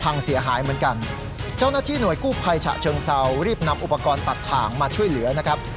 เสียหายเหมือนกันเจ้าหน้าที่หน่วยกู้ภัยฉะเชิงเซารีบนำอุปกรณ์ตัดถ่างมาช่วยเหลือนะครับ